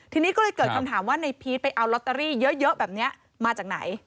ทีนี้ก็เลยเกิดคำถามว่าในพีชไปเอาลอตเตอรี่เยอะแบบนี้มาจากไหน